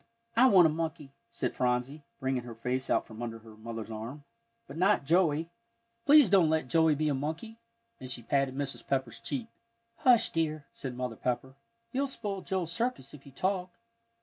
"I want a monkey," said Phronsie, bringing her face out from under her mother's arm, "but not Joey. Please don't let Joey be a monkey," and she patted Mrs. Pepper's cheek. "Hush, dear," said Mother Pepper, "you'll spoil Joel's circus if you talk.